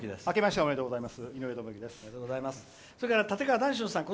おめでとうございます。